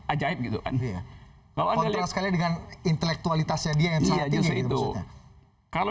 ajaib hidupkan dia bahwa dia sekali dengan intelektualitasnya dia yang jahit itu kalau